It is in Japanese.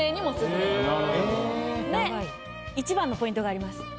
一番のポイントがあります